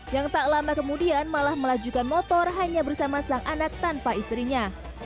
yang tak lama kemudian malah melajukan motor hanya bersama sang anak tanpa istrinya